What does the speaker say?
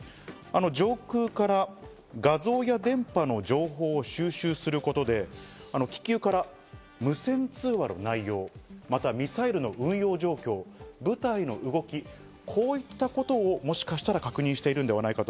上空から画像や電波の情報を収集することで、気球から無線通話の内容、またミサイルの運用状況、部隊の動き、こういったことをもしかしたら、確認してるのではないかと。